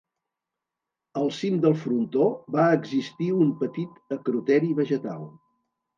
Al cim del frontó va existir un petit acroteri vegetal.